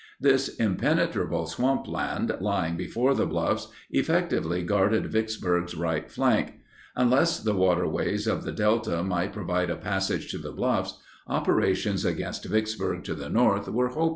This impenetrable swampland, lying before the bluffs, effectively guarded Vicksburg's right flank. Unless the waterways of the Delta might provide a passage to the bluffs, operations against Vicksburg to the north were hopeless.